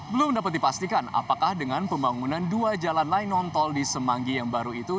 belum dapat dipastikan apakah dengan pembangunan dua jalan lain non tol di semanggi yang baru itu